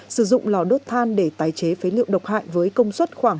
sử dụng lò đốt than để tái chế phế liệu độc hại với công suất khoảng